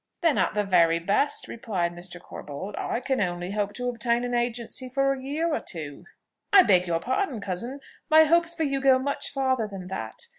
"Then, at the very best," replied Mr. Corbold, "I can only hope to obtain an agency for a year or two?" "I beg your pardon, cousin; my hopes for you go much farther than that.